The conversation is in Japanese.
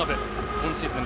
今シーズン